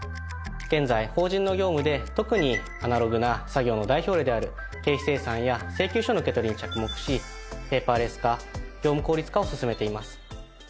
現在法人の業務で特にアナログな作業の代表例である経費精算や請求書の受け取りに着目しペーパーレス化業務効率化を進めています。